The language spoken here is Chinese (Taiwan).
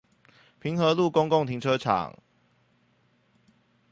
平和路公共停車場